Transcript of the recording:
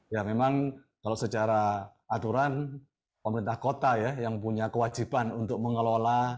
ya memang kalau secara aturan pemerintah kota ya yang punya kewajiban untuk mengelola